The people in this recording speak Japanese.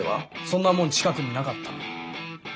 そんなもん近くになかった。